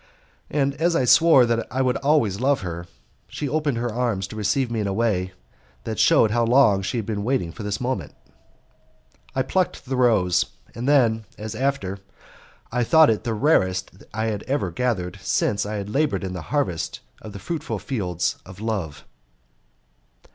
And as I swore that I would always love her, she opened her arms to receive me in a way that shewed how long she had been waiting for this moment. I plucked the rose, and then, as ever, I thought it the rarest I had ever gathered since I had laboured in the harvest of the fruitful fields of love.